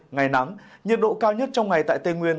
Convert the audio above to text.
ngày nắng nhiệt độ cao nhất trong ngày tại tây nguyên